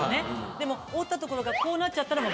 でも折った所がこうなっちゃったらもう。